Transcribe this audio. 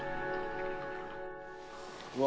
うわ